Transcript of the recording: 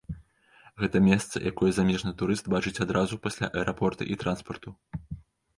Гэта месца, якое замежны турыст бачыць адразу пасля аэрапорта і транспарту.